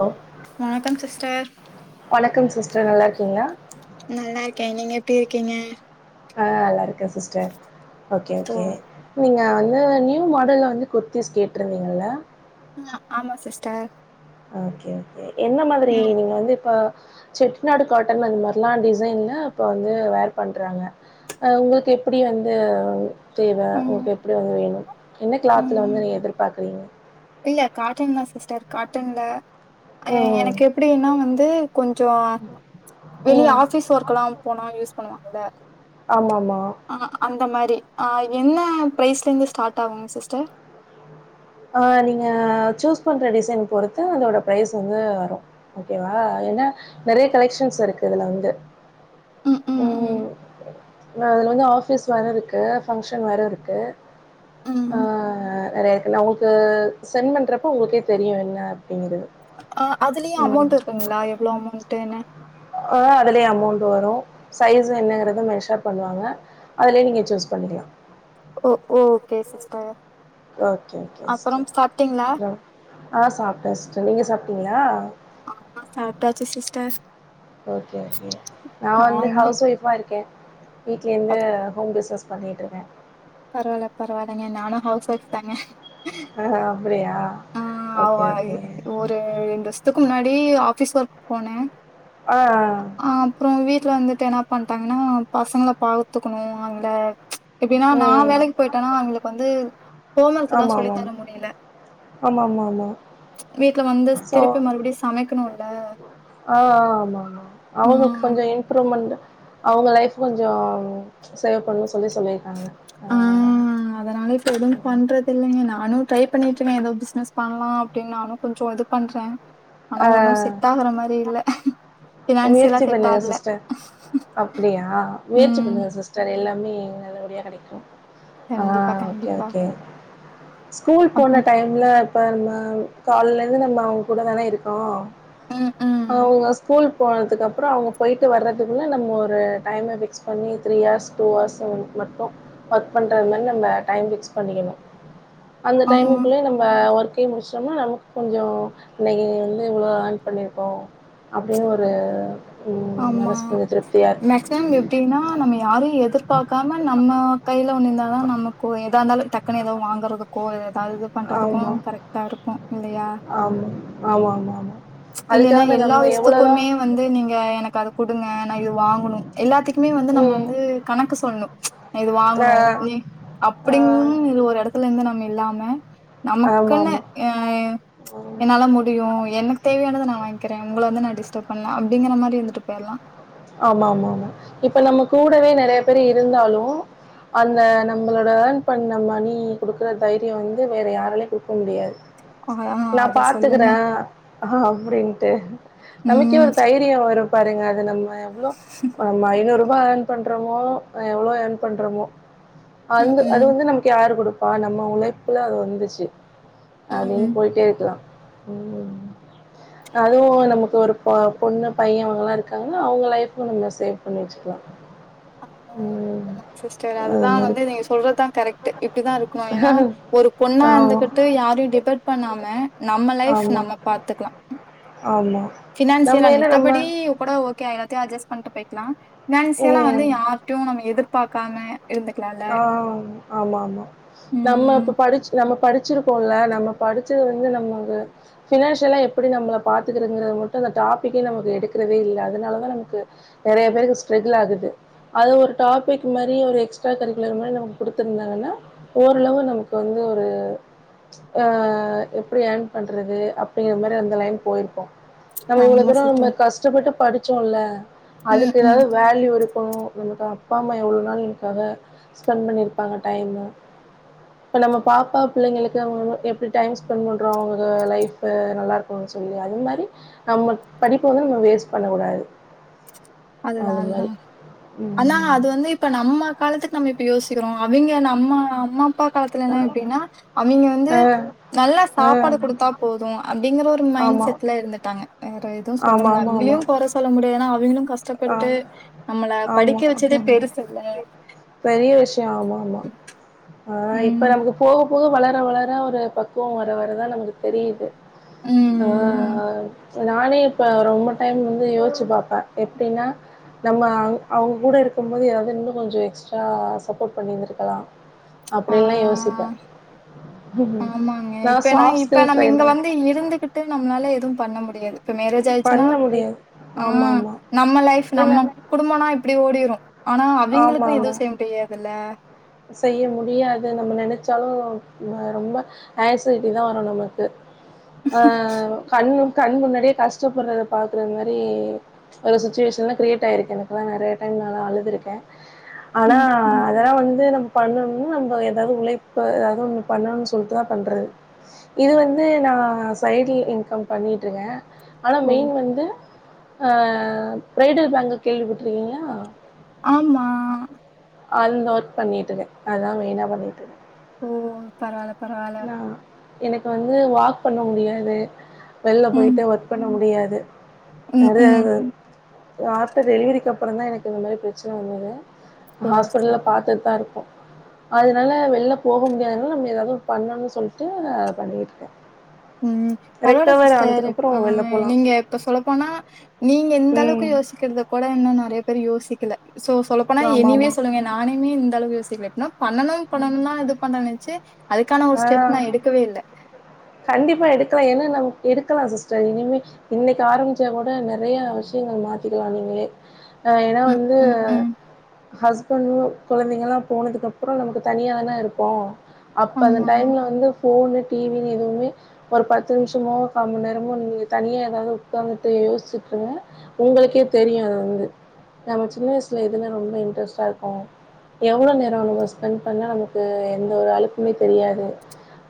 Hello வணக்கம் sister டர் நல்லா இருக்கீங்களா நல்லா இருக்கே நீங்க எப்டி இருக்கீங்க ஆ நல்லாருக்கே சிஸ்டர் ஓகே ஓ ஓகே நீங்க நா வந்து நியூ மாடல்ல வந்து குர்த்தீஸ் கேட்ருந்தீங்க இல்ல ஆமா சிஸ்டர் ஓகே ஓகே என்ன மாதிரி ம் நீங்க வந்து இப்ப செட்டிநாடு காட்டன் வந்த் மாரிலா டிசைன்ல இப்ப வந்து வேர் பண்றாங்க அ உங்களுக்கு எப்படி வந்து தேவை ம் உங்களுக்கு எப்படி வந்தது வேனு என்ன கிளாத்துல வந்து ம் நீங்க எதிர்பாக்குறீங்க இல்ல காட்டன் தான் சிஸ்டர் காட்டன்ல அ ம் எனக்கு எப்டின்னா வந்து கொஞ்சோ வெளியே ம் ஆபீஸ் ஒர்க்கெல்லா போனா யூஸ் பண்ணுவாங்கள ஆமாம் ஆமாம் ஆ அந்த மாரி ஆ என்ன பிரைஸ்லேந்து ஸ்டார்ட் ஆகுங் சிஸ்டர் நீங்க சூஸ் பண்ற டிசைன் பொறுத்து அதோடய ப்ரைஸ் வந்து வரும் ஓகேவா அது ஏன்னா நெறய கலெக்ஷன்ஸ் இருக்கு இதுல வந்து ம் ம் ம் உம்ம் அதுல வந்து ஆபீஸ் வேற இருக்கு பங்க்ஷன் வேற இருக்கு ம் ஆஹ நெறயா இருக்கு நான் உங்களுக்கு சென்ட் பண்றப்ப உங்களுக்கே தெரியு என்னப் படிங்கறது அ அதுலயு உம் அமௌண்ட் இருக்குங்களா எவ்ளோ அமௌண்ட்டுன்னு ஆஹ் அதுலயே அமௌண்ட் வரும் சைஸ்ஸு என்னங்கறத மெஷர் பண்ணுவாங்க அதுலயே நீங்க சூஸ் பண் பண்ணிக்ளா ஓ okay sister okay okay sister அப்பறம் சாப்ட்டீங்களா அப்றோ ஆஹ் சாப்டே சிஸ்டர் நீங்க சாப்டீங்களா ஆ சாப்டாச்சு சிஸ்டர் ஓகே ஓகே நா வந்து ஹவுஸ் ஒய்ஃபா இருக்கே வீட்லருந்தே ஹோம் பிஸ்னஸ் பண்ணிட்டுருக்கே பரவால்ல பரவால்லங்க நானு ஹௌஸ் ஒய்ஃப் தாங்க ஆ அப்டியா ஆஹ் ஓகே அவாய் ஓகே ஒரு ரெண்டு வருசத்துக்கு முன்னாடி ஆப் பிஸ் ஒர்க் போனே ஆஹ் ஆ வீட்டுல வந்துட்டு என்ன பண்ட்டாங்கன்னா பசங்கள பாத்துக்கணு அவங்கள நா ம் ஆமா வேலைக்கு போயிட்டேனா அவ்ளுக்கு வந்து ஹோம் ஒர்க்கல்லாம் ஆமா சொல்லி ஆமா தர முடியல ஆமா ஆமா ஆமா வீட்ல வந்து சோ திருப்பி மறுபடியும் சமைக்கணுல்ல ஆ ஆமா ஆமா அவங்களுக்கு ம். கொஞ்ச இம்ப்ரூவ்மெண்ட் அவங்க லைஃப் கொஞ்சோ சேவ் பண்ணணு சொல்லி சொல்லிருக்காங்க ஆ அதனால எதுவும் பண்றது இல்லைங்க நானும் ட்ரை பண்ணிட்டுருக்கே ஏதோ பிசினஸ் பண்ணலா அப்டின்னு நானு கொஞ்சோ இதுப் பண்றே ஆனா ஆ ஒன்னு செட் ஆகுற மாரி இல்ல ஃபினான்சியலா முயற்சி செட் பண்ணுங்க ஆகல. சிஸ்டர் அப்டியா முயற்சி ம். பண்ணுங்க சிஸ்டர் எல்லாம் பண்ணி நல்லபடியா கெடைக்கும் ஆ கண்டிப்பா, ஓகே கண்டிப்பா. ஓகே ஸ்கூல் அப்போ போன டைம்ல நம்ம காலைல இருந்து நம்ம அவங்க கூடதாணா இருக்கோ ம் ம். அவங்க ஸ்கூல் போனதுக்கப்புறோ அவங்க போயிட்டு வர்றதுக்குள்ள நம்ம ஒரு டைம ஃபிக்ஸ் பண்ணி த்ரீ ஹார்ஸ் டூ ஹார்ஸ் அவ்ங்ளுக்கு மட்டும் ஒர்க் பண்ற மாரி நம்ம டைம் பிக்ஸ் பண்ணிக்கணு அந்த ஆ டைமுக்குள்ளேயே நம்ம ஒர்க்கயு முடிச்சோம்னா நமக்கு கொஞ்சோ நெகிரம் இவ்ளோ ஆர்ன் பண்ணியிருக்கோம் அப்டின்னு ஒரு ம் ஆமா மனசு கொஞ்சோ திருப்தியா இருக்கு மேக்சிமம் எப்டின்னா நம்ம யாரையு எதிர்பாக்காம நம்ம கையில ஒண்ணு இந்தா தா நமக்கு ஏதா இந்தாலு டக்குனு ஏதாவது வாங்கறதுக்கோ ஏதாவது இது ஆமா பண்றதுக்கும் கரெக்ட்டா இருக்கும் இல்லையா? ஆமா ஆமா ஆமா ஆமா இல்லேன்னா அதுக்காக தா எல்லா நம்ம எவ்ளோதா விஷ்த்துக்குமே வந்து நீங்க எனக்கா த கொடுங்க நான் இது வாங்கணும் எல்லாத்துக்குமே வந்து நம்ம ம் வந்து கணக்கு சொல்ணு இது ஆ வாங்கணு நீ ஆ அப்டின்னு இது ஒரு இடத்துல இருந்து நம்ம இல்லாம ஆமா நமக்குன்னு ஆமா ஏ ஆமா என்னால முடியு எனக்கு தேவயானத நான் வாங்கிக்கிறே உங்கள வந்து நா டிஸ் டர்ப் பண்ணல அப்டிங்கிற மாரி இருந்துட்டு போயில்லா ஆமா ஆமா ஆமா இப்ப நம்ம கூடவே நெறைய பேர் இருந்தாலு அந்த நம்மளோட ஆர்ன் பண்ண மணி கொடுக்குற தைரியம் வந்து வேற யாராலயு குடுக்க முடியாது ஆ நான் அத பாத்துக்கற சொல்லுங்க அப்டின்ட்டு நமக்கே ம் ஒரு தைரியோ வரும் பாருங்க அது நம்ம எவ்ளோ நம்ம ஐநூற் ருபா எர்ன் பண்றோமோ எவ்ளோ எர்ன் பண்றமோ ம் அந்து அது ம் வந்து நமக்கு யாரு கொடுப் பா நம்ம உழைப்புல அது வந்துச்சு அப்டின்னு ம் போயிட்டே இருக்கலா ம் அதுவு நமக்கு ஒரு பொண்ணு பையன் அவங்கல்லா இருக்காங்க ன்னா அவுங்க லைஃப்பு நம்ம சேவ் பண்ணி வச்சுக்கலா [inaudible] சிஸ்டர் அதுதா வந்து நீங்க சொல்றத்தா கரெக்ட் இப்டித்தான் இருக்கணு ஏன்னா ஒரு பொண்ணா ஆமா, இருந்துகிட் யாரையும் டிபர் பண்ணாம நம்ம லைப் ஆமா, நம்ம பாத்துக்கலா ஆமா. பினான்சியர் நம்ம அஹ ஏன்னா நம்ம மித்தபடி கூட ஓகே எல்லாத்தையும் அட்ஜஸ்ட் பண்ணிட்டு போயிக்கலா பினான்சில வந்து ம். யார்டயும் நம்ம எதிர்பாக்காம ஆ ஆமா ஆமா நம்ம ம் இப்ப படிச்ச நம்ம படிச்சிருக்கோம்ல நம்ம படிச்சது வந்து நம்ம பினான்சியலா எப்படி நம்மளை பாத்துக்கறங்கிறது மட்டும் அந்த டாபிக்கே நமக்கு எடுக்கிறதே இல்லை அதனாலதா நமக்கு நிறய பேருக்கு ஸ்டரகுள் ஆகுது அது ஒரு டாபிக் மாரி ஒரு எக்ஸ்ட்ரா கரிக்குலர் மாதிரி நமக்கு குடுத்துருந்தாங்கன்னா ஓரளவு நமக்கு வந்து ஒரு ஆ எப்படி ஏர்ன் பண்றது அப்படிங்கிற மாரி அந்த லைன் போயிருப்போ நம்ம இவ்வளவு ஆமா தூர நம்ம சிஸ்டர் கஷ்டப்பட்டு படிச்சோல ம் அதுக்கு ஏதாவது ம் வேல்யூ இருக்கணு நமக்கு அப்பா அம்மா எவ்ளோ நாள் காக ஸ்பெண்ட் பண்ணியிருப்பாங்க டைமு இப்ப நம்ம பாப்பா பிள்ளைங்களுக்கு அவங்க எப்படி டைம் ஸ்பெண்ட் பண்றோ அவங்க லைப் நல்லா இருக்கு சொல்லி அது மாரி நம்ம படிப்ப வந்து நம்ம வேஸ்ட் பண்ணக்கூடாது அதுதா அது அதுதா மாதிரி ஆனா அது வந்து இப்ப நம்ம காலத்துக்கு நம்ம இப்போ யோசிக்கிறோ அவிங்க நம்ம அம்மா அப்பா காலத்துல எப்புடின்னா அவிங்க வந்து நல்லா சாப்பாடு குடுத்தா போது அப்புடிங்கற ஒரு மைண்ட் ஆமாம் செட்ல இருந்துட்டாங்க வேற எ து சொல்ல ஆமாம் முல்ல ஆமாம் அவிங்களையு ஆமாம் கொர சொல்ல முடியாதுன்னா அவிங்களு கஷ் ஆ கஷ்டப்பட்டு நம்மள படிக்க வச்சதே ஆமாம் பெருசு இல்ல பெரிய விஷயோ ஆமா ஆமா இப்போ ம். நமக்கு போக போக வளர வளர ஒரு பக்குவோ வர வர தா நமக்கு தெரியுது ஆ ம். ஆ நானே இப்ப ரொம்ப டைம் வந்து யோசிச்சு பாப்பே எப்புடின்னா நம்ம அவு அவுங்க கூட இருக்கு போது ஏதாவது இன்னு கொஞ்சோ எக்ஸ்ட்ரா சப்போர்ட் பண்ணியிருந்திருக்கலா ஆ. அப்படின்ல்லா யோசிப்பே ஆமாங்க நா இப்ப என்னா சாஃப்ட் இப்ப ஸ்கில் நம்ம இங்க ட்ரைனர் வந்து இருந்துகிட்டு நம்மளால எதுவு பண்ண முடியாது இப்ப மேரேஜ் ஆயிடுச்சுன்னா பண்ண முடியாது ஆ ஆமா ஆமா நம்ம லைப் என்ன நம்ம குடும்பனா இப்பிடி ஓடிரு ஆனா ஆமா அவிங்களுக்கு ஆமா எதுவு செய்ய முடியாதில்ல செய்ய முடியாது நம்ம நினைச்சாலு ரொம்ப ஆசிட்டி தான் வரு நமக்கு அ கண்ணும் கண் முன்னாடியே கஷ்டப்படுறத பாக்குற மாரி ஒரு சிச்சுவேஷன்லா கிரியேட் ஆயிருக்கு எனக்குலா நிறைய டைம் ந எல்ல அழுது இருக்கே ஆனா ம், ம். அதெல்லா வந்து து நம்ம பண்ணணு நம்ம ஏதாவது உழைப்பு எதா ஒன்னு பண்ணணும்னு சொல்லிட்டுதா பண்றது இது வந்து வந்து நான் சைடில் இன்கம் பண்ணிட்டுருக்கே ஆனா ஓ! மெயின் வந்து அ பிரைடில் பேங்குல் கேள்விப்பட்டிருக்கீங்களா ஆமா அந்த ஒர்க் பண்ணிட்டு இருக்கே அதான் மெயினா பண்ணிட்டுக்கே ஓ பரவால பரவால எனக்கு வந்து வாக் பண்ண முடியாது வெளில ம், போயிட்டு ஒர்க் பண்ண முடியாது ம், இது ம். ஆப்டர் டெலிவரிக்கு அப்றோ தான் எனக்கு இந்த மாரி பிரச்சன வந்தது ஓ! சரி. ஹாஸ்பிட்டல்ல பாத்ததுதா இருகோ அதனால வெளில போக முடியாதுனால நம்ம ஏதாவது பண்ணும்னு சொல்லிட்டு பண்ணிட்டுயிருக்கே ம் பரவாயில்லை சிஸ்டர் ஆனதுக்கப்புறோ வெளில ஆஹ போலா நீங்க இப்ப சொல்லப்போனா நீங்க இந்த ம் அளவுக்கு யோ சிக்கிறது கூட இன்னும் நிறைய யோசிக்கல சோ சொல்லப்போனா ஆமா எனிவே ஆமா சொல்லுங்க நானுமே இந்த அளவு யோசிக்கல இப்பனா பண்ணனு பண்ணணு தான் இது பண்றேச்சு அதுக்கான ஒரு ஆ ஸ்டெப் நான் எடுக்கவே இல்ல கண்டிப்பா எடுக்கலா ஏன்னா நம் எடுக்கலா சிஸ்டர் இனிமே இன்னைக்கு ஆரம்பிச்சா கூட நிறைய விஷயங்கள் திக்கலா நீங்களே ஏன்னா ம், வந்து ம், ம். ஹஸ்ப பண்டு குழந்தைங்கள்லா போனதுக்கப்றோ நமக்கு தனியாக தானா இருப்போ அப்ப அந்த ஆமா. டைம்ல வந்து ஃபோனு டிவின்னு எதுவுமே ஒரு பத்து நிமிஷமோ ஒரு கா மண்நேரமோ நீங்க தனியா ஏதாவது உக்காந்துட்டு யோசிச்சுட்டுருங்க உங்களுக்கே தெரியு அது வந்து நம்ம சின்ன வயசுல எதுல ரொம்ப இன்ட்ரெஸ்ட்டா இருக்கோ எவ்ளோ நேரோ நம்ம ஸ்பெண்ட் பண்ணா நமக்கு எந்த ஒரு அழுப்புமே தெரியாது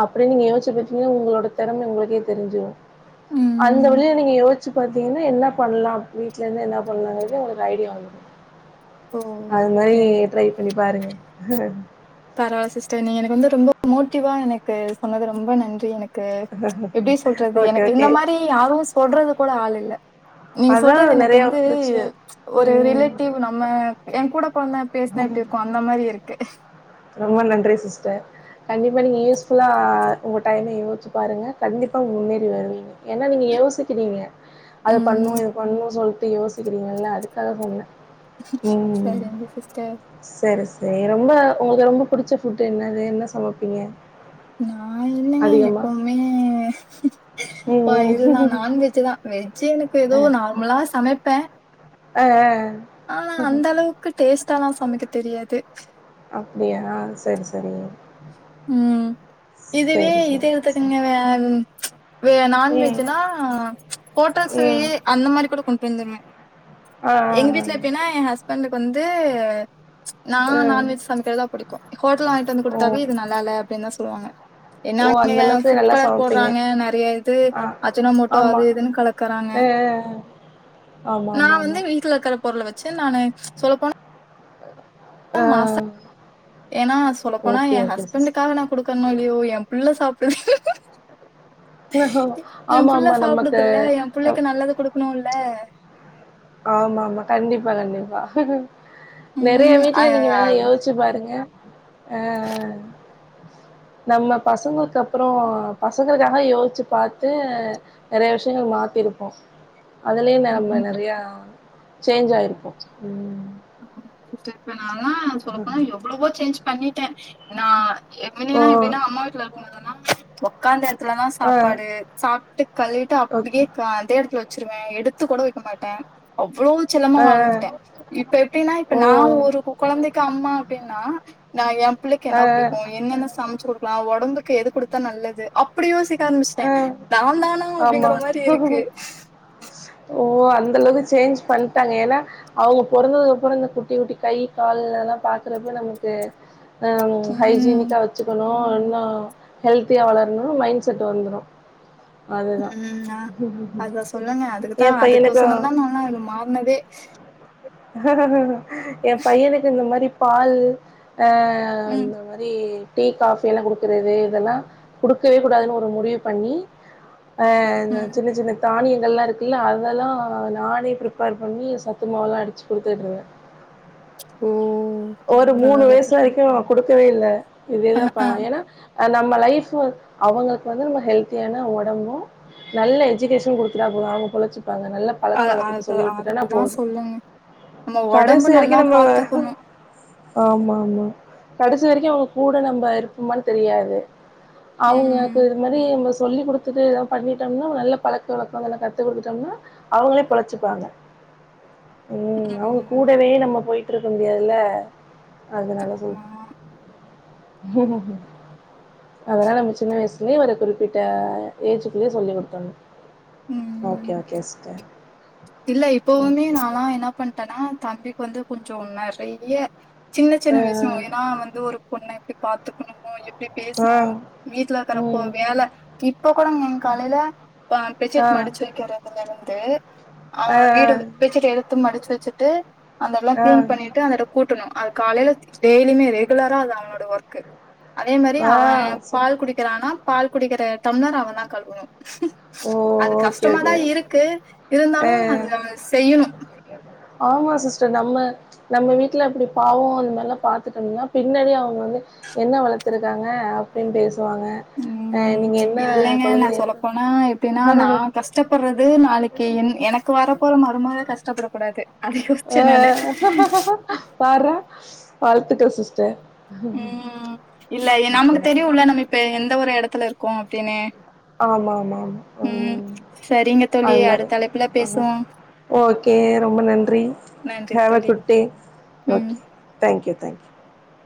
அப்டின்னு நீங்க யோசிச்சு பாத்தீங்கன்னா உங்களோட தெறம உங்களுக்கே தெரிஞ்சிரு அந்த ம். வழியில நீங்க யோசிச் ச்சு பாத்தீங்கன்னா என்ன பண்லா வீட்லேருந்தே என்ன பண்லாங்கதே உங்களுக்கு ஐடியா வந்துரு ஓ! அது மாரி தேங்க் ட்ரை பண்ணி பாருங்க பரவால்ல சிஸ்டர் நீங்க எனக்கு வந்து ரொம்ப மோட்டிவா எனக்கு சொன்னது ரொம்ப நன்றி எனக் க்கு எப்டி சொல்றது ஓகே எனக்கு இந்த ஓகே மாரி யாரு சொல்றதுக் கூட ஆள் இல்ல நீங்க அதா சொல்றது எனக்கு நெறைய வந்து பிரச்சன ஒரு ம் ரிலேட்டிவ் நம்ம எங்கூட புன்னா பேசுனா எப்டி இருக்கு அந்த மாரி இருக்கு ரொம்ப நன்றி சிஸ்டர் கண்டிப்பா நீங்க யூஸ்ஃபுல்லா உங்க டைம யோசிச்சு பாருங்க கண்டிப் எப்ப முன்னேறி வருவீங்க ஏன்னா நீங்க யோசிக்கிறீங்க அது பண்ணுவோ ம் இது பண்ணுன்னு சொல்ட்டு யோசிக்கிறீங்கல்ல அதுக்காக சொன்ன ம் சரிங்க சிஸ்டர். சேரி சேரி ரொம் ரொம்ப உங்களுக்கு ரொம்ப புடிச்ச ஃபுட்டு என்னது என்ன சமப்பீங்க நா என்னங்க எப்போவுமே ஆ ம் இதுதா ம் நாண்வெஜ்ஜுதா வெஜ்ஜு எனக்கு ஏதோ நார்மலா சமைப்ப ஆ ஆ ஆ ஆனா அந்தளவுக்கு டேஸ்ட்டலா சமைக்கத் தெரியாது அப்டியா செரி செரி ம் இதுவே இது சரி சரி. இழுத்ததுங்க வேற ம் வே ம் நாண்வெஜ்ஜுனா ஹோட்டல் ம் சுவையே அந்த மாரி கூட கொண்டு வந்துருவே ஆ எங்க ஆ வீட்ல எப்டின்னா ஏ ஹஸ்பண்டுக்கு வந்து நா ஆ ம் நாண்வெஜ் சமைக்கிறதுதா புடிக்கு ஹோட்டல்ல வாங்கிட்டு வந்து குடுத்தாவே ம் இது நல் அப்டின்னு தா சொல்லுவாங்க ஓ எல்லாமே அந்த தாங்க அளவுக்கு ஃபுட் நல்லா கலர் சமைப்பீங்க போட்றாங்க நறைய இது அஜனோ மோட்டோ அது இதுன்னு கலக்கறாங்க ஆ ஆ ஆ நா வந்து வீட்ல இருக்கற பொருள வச்சி நானு சொல்லப் போனா ஆ மாச ஏனா சொல்லப் போனா ஓகே ஏ ஓகே சிஸ் ஹஸ்பண்டுக்காக நா குடுக் கண்ணாலியோ ஏ புள்ள சாப்டு ஏ ஆமா புள்ள ஆமா நமக்கு சாப்டுதுல்ல ஏ புள்ளைக்கு நம் நல்லது குடுக்கணுல்ல ஆமா ஆமா கண்டிப்பா கண்டிப்பா நெறைய ம் அ வீட்ல நீங்க வேணா யோசிச்சி பாருங்க ஆ ஆ நம்ம பசங்களுக்கு அப்பறோ பசங்களுக்காக யோசிச்சி பாத்து நெறைய விஷயங்கள் மாத் இருப்போ அதுலயு நம்ம ம் நெறையா சேஞ்ச் ஆயிருப்போ ம் திருப்பி நான்லா சொல்லப் போனா எவ்வளவோ சேஞ்ச் பண்ணிட்ட நா ஏ ஓ புள்ளங்கல்லா எப்பின்னா அம்மா வீட்ல இருக்கு இல்லேன்னா ஒக்காந்த எடத்துலதா ஆ சாப்பாடு சாப்ட்டு கழுவிட்டு ஓகே அப்டியே க அதே எடத்துல வச்சிருவே எடுத்துக் கூட வக்க மாட்ட அவ்ளோ செல்லமா ஆ வளந்துட்ட இப் எப்டின்னா இப்ப நா ஓ ஒரு கொழந்தைக்கு அம்மா அப்டின்னா நா ஏ புள்ளைக்கு ஆ என்ன புடிக்கு என்னென்ன சமச்சி குடுக்கலா ஒடம்புக்கு எது குடுத்தா நல்லது அப்டி யோசி திடக்க ஆரம்பிச்சிட்ட ஆ நான் தானா ஆமா அப்டிங்கற மாரி இருக்கு ஓ அந்தளவுக்கு சேஞ்ச் பண்ட்டாங்க ஏனா அவுங்க பொறந்ததுக்கு அப்புறோ இந்த குட்டி குட்டி கை கால்லலா பாக்குறப்ப நமக்கு ஆ ம் ஹைஜீனிக்கா வச்சிக்கணு இன்னனு ஹெல்தியா வளரணு மைண்ட் செட்டு வந்துரு அதுதா அதுவ சொல்லுங்க அதுக்குதா எ பையனுக்கு அதுக்கோசனந்தா நான்லா இது மாறுனதே என் பையனுக்கு இந்த மாரி பால் ஹ ம் அந்த மாரி டீ காஃபி லா குடுக்கறது இதெல்லா குடுக்கவே கூடாதுன்னு ஒரு முடிவு பண்ணி ஆஹ் ம் சின்ன சின்ன தானியங்கள் லா இருக்குல அதல்லா நானே பிரிப்பேர் பண்ணி சத்துமாவு லா எடுத் குடுத்துவிட்ருவ ஓ ஒரு மூணு பரவால்ல வயசு பரவா வரைக்கு குடுக்கவே இல்ல அ இதேதா அ பழ ஏனா நம்ம லைஃப் அவங்களுக்கு வந்து நம்ம ஹெல்த்தியான ஒடம்பும் நல்ல எஜுகேஷன் குடுத்துட்டா போது அவங்க பொளச்சிப் பாங்க நல்ல அ பழக்க வழக்கத்த அது சொல்லி குடுத்துட்டன்னா அதுதா போதும் சொல்லுங்க நம்ம கடைசி ஒடம்பு வரைக்கு நல்லா நம்ம பாத்துக்கணு ஆமா ஆமா கடைசி வரைக்கு அவங் கூட நம்ம இருப்பமான்னு தெரியாது அவங்ககு ம் இது மாரி நம்ப சொல்லி குடுத்துட்டு ஏதாவது பண்ணிட்டம்னா நல்ல பழக்க வழக்கங்கள அதெல்லா கத்து குடுத்துட்டம்னா அவங்களே பொழச்சிப்பாங்க உம் அவ்ங்க ம் கூடவே நம்ம போயிட்டு இருக்க முடியாதுல அதனால செர் ஆமா அதல்லா நம்ம சின்ன வயசுலயே ஒரு குறிப்பிட்ட ஏஜுக்குலயே சொல்லி குடுத்தண்ணு ஓகே ம் ஓகே சிஸ்டர் இல்ல இப்பவுமே ஓகே நான்லா என்ன பண்ட்டன்னா தம்பிக்கு வந்து கொஞ்சோம் நெறைய சின்ன சின்ன விஷயம் ஆ ஏன்னா வந்து ஒரு பொண்ண எப்டி பாத்துக்கணும் எப்டி ஆ பேசுனு வீட்டுல இருக்கறப்போ ம் வேல இப்ப கூடங்க மேம் காலையில ஆ பெச்சிட் மடிச்சு வைக்கறதுல இருந்து அவ ஆ வீடு பெச்சிட் எடுத்து மடிச்சி வச்சுட்டு அந்தெல்லாம் ஆ ஆ கிளீன் பண்ணிட்டு அதோட கூட்டணு அத் காலைல டெய்லியுமே ரெகுலரா அது அவனோட ஒர்க்கு அதே மாரி அவ வாவ் பால் சூப்பர் குடிக்கிறானா பால் குடிக்கிற டம்ளர் அவன்தா கழுவணு ஓ அது ஓகே கஷ்டமாதா ஓகே இருக்கு இருந்தாலு ஆ நா ஆ அத செய்யணு ஆமா சிஸ்டர் நம்ம நம்ம வீட்டுல இப்டி பாவோ அந்த மாரெல்லா பாத்துட்டன்னா பின்னாடியே அவுங்க வந்து என்ன வளர்த்துருக்காங்க அப்டின்னு பேசு வாங்க ஹ ம் நீங்க என்ன கொழந்தை எனா நா கஷ்டப்பறது நாளைக்கு என் எனக்கு வர போற மறுமக கஷ்டப்பட கூடாது அத யோசிச்சே நானு ஆஹ் பார்றா வாழ்த்துக்கள் சிஸ்டர் உம் இல்ல ஓகே நமக்கு ஓகே. தெரியுல்ல நம்ம இப்ப எந்த ஒரு எடத்துல இருக்கோ அப்டின்னு ஆமா ஆமா ஆமா. உம் ம் சரிங்க தோழி அது மாரி. அடுத்த அழைப்புல ஆ பேசுவோ ஓகே ரொம்ப நன்றி நன்றி ஹாவ தோழி குட்டே ம் okay thank you thank you